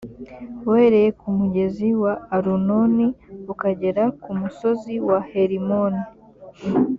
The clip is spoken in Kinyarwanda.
uhereye ku mugezi wa arunoni ukagera ku musozi wa herimoni.